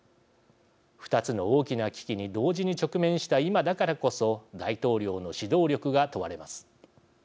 ２つの大きな危機に同時に直面した今だからこそ大統領の指導力が問われます。